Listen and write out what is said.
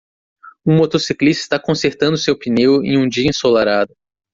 Um motociclista está consertando seu pneu em um dia ensolarado